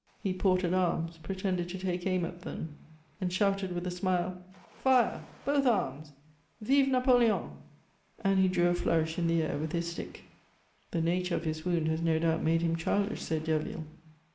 He ported arms, pretended to take aim at them, and shouted with a smile: "Fire! both arms! Vive Napoleon!" And he drew a flourish in the air with his stick. "The nature of his wound has no doubt made him childish," said Derville.